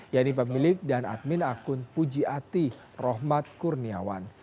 yaitu pemilik dan admin akun puji ati rohmat kurniawan